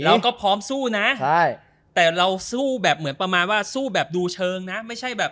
เราก็พร้อมสู้นะแต่เราสู้แบบประมาณดูเชิงไม่ใช่แบบ